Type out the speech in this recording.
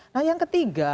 nah yang ketiga